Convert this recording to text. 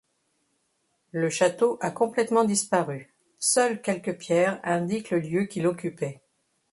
Le château a complètement disparu, seules quelques pierres indiquent le lieu qu'il occupait.